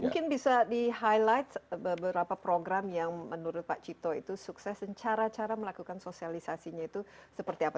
mungkin bisa di highlight beberapa program yang menurut pak cito itu sukses dan cara cara melakukan sosialisasinya itu seperti apa